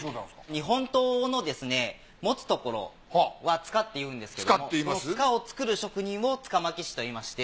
日本刀の持つところは柄って言うんですけどもその柄を作る職人を柄巻師と言いまして。